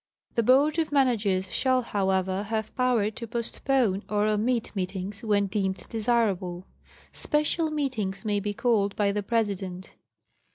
The Board of Managers shall, however, have power to postpone or omit meetings, when deemed desirable. Special meetings may be called by the President.